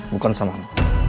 bukan sama kamu